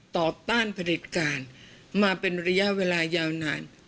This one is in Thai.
ต้านผลิตการมาเป็นระยะเวลายาวนาน